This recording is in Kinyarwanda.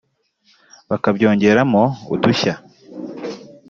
bakabyongeramo udushya